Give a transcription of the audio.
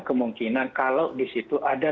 kemungkinan kalau di situ ada